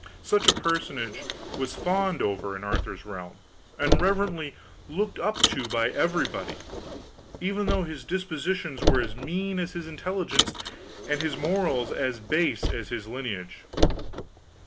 Such a personage was fawned upon in Arthur's realm and reverently looked up to by everybody, even though his dispositions were as mean as his intelligence, and his morals as base as his lineage.